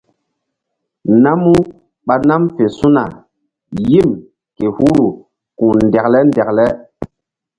Namu ɓa nam fe su̧na yim ke huru ku̧h ndekle ndekle.